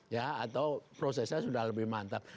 ya atau prosesnya sudah lebih mantap